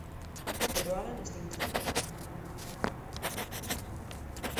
Pero Allan está inquieto.